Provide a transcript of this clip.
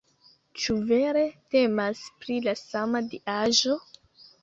Ĉu vere temas pri la sama diaĵo?